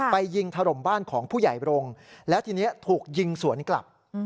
ยิงถล่มบ้านของผู้ใหญ่บรงค์แล้วทีนี้ถูกยิงสวนกลับ